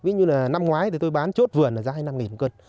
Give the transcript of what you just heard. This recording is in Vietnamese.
năm ngoái tôi bán chốt vườn là giá hai mươi năm nghìn một cân